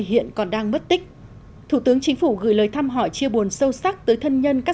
hiện còn đang mất tích thủ tướng chính phủ gửi lời thăm hỏi chia buồn sâu sắc tới thân nhân các